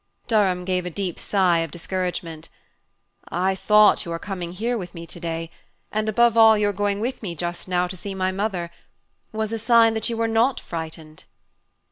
Durham gave a deep sigh of discouragement. "I thought your coming here with me today and above all your going with me just now to see my mother was a sign that you were not frightened!"